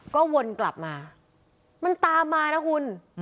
ก็วนกลับมามันตามมานะคุณ